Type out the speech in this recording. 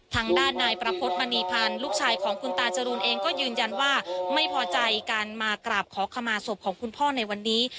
ทางด้านนายประพฤติมณีพันธ์ลูกชายของคุณตาจรูนเองก็ยืนยันว่าไม่พอใจการมากราบขอขมาศพของคุณพ่อในวันนี้